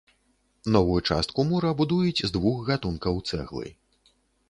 Новую частку мура будуюць з двух гатункаў цэглы.